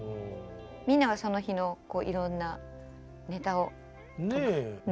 みんながその日のいろんなネタを投げてくれる。